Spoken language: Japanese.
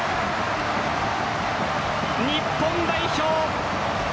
日本代表